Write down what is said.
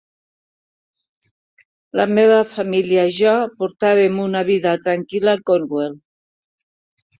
La meva família i jo portàvem una vida tranquil·la a Cornwall.